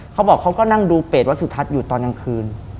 เขาบอกเขาก็นั่งดูเปรตวัสสุทัศน์อยู่ตอนกลางคืน